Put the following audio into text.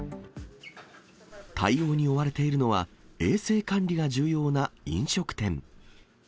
対応に追われているのは、衛生管理が重要な飲食店。